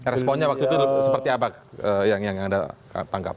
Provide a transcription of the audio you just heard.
responnya waktu itu seperti apa yang anda tangkap